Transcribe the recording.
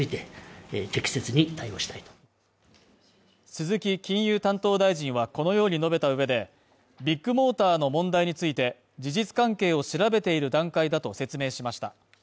鈴木金融担当大臣はこのように述べた上でビッグモーターの問題について事実関係を調べている段階だと説明しました。